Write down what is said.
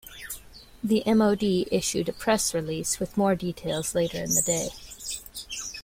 The MoD issued a press release with more details later in the day.